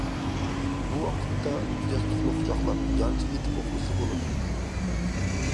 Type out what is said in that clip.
بۇ ۋاقىتتا ياستۇقنى قۇچاقلاپ يانچە يېتىپ ئۇخلىسا بولىدۇ.